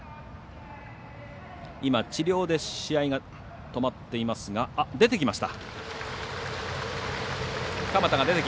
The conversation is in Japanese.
治療で試合が止まっていますが鎌田が出てきました。